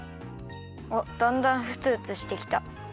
あっだんだんふつふつしてきた。